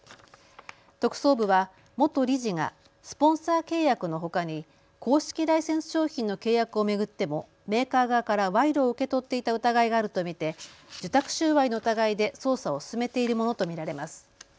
特捜部は元理事がスポンサー契約のほかに公式ライセンス商品の契約を巡ってもメーカー側から賄賂を受け取っていた疑いがあると見て受託収賄の疑いで捜査を進めているものと見られます。